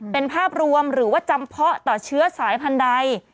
เป็นภาพรวมหรือว่าจำเพาะต่อเชื้อสายพันธุ์ใด